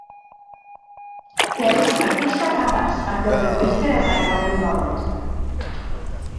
Dewch â dillad addas ar gyfer y gweithgareddau awyr agored